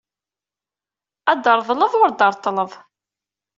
Ad treḍleḍ ur d-treṭṭleḍ!